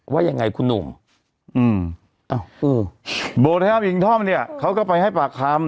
ว่ายังไงคุณหนุ่มอืมอ้าวโบไทมอิงท่อมเนี่ยเขาก็ไปให้ปากคำ